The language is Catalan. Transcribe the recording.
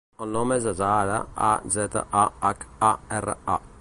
El nom és Azahara: a, zeta, a, hac, a, erra, a.